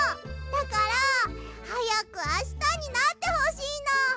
だからはやくあしたになってほしいの！